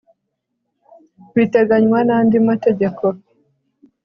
biteganywa na ndi mategeko